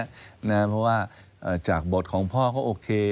เพราะว่าจากบทของพ่อเขาโอเค